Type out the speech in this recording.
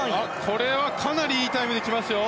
これはかなりいいタイムできました。